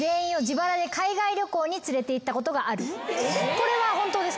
これは本当ですか？